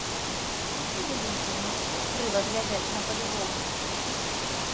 Усюды людзі, мусіць, крыва глядзяць на палюбоўніцу.